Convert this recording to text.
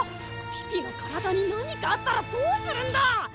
ピピの体に何かあったらどうするんだ！